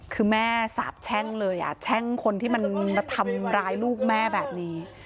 คือแม่สาบแช่งเลยแช่งคนที่มันมาทำร้ายลูกแม่แบบนี้